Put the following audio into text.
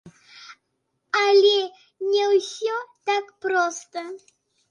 Але не ўсё так проста!